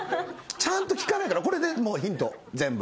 ちゃんと聴かないからこれでもうヒント全部。